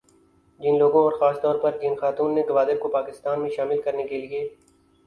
جن لوگوں اور خاص طور پر جن خاتون نے گوادر کو پاکستان میں شامل کرنے کے لیے